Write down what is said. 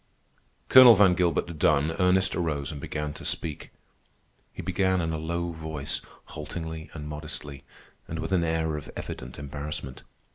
Colonel Van Gilbert done, Ernest arose and began to speak. He began in a low voice, haltingly and modestly, and with an air of evident embarrassment.